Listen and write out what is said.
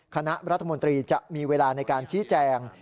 คณะรัฐมนตรีจะมีเวลาในการชี้แจง